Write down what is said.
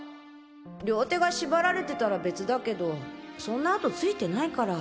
両手が縛られてたら別だけどそんな痕ついてないから。